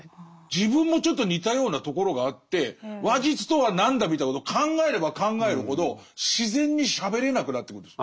自分もちょっと似たようなところがあって話術とは何だみたいなことを考えれば考えるほど自然にしゃべれなくなってくるんです。